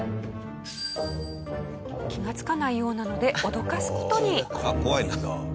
気がつかないようなので脅かす事に。